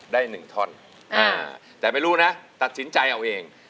ได้หนึ่งท่อนแต่ไม่รู้นะตัดสินใจเอาเอง